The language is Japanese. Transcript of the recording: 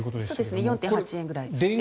４．８円くらい。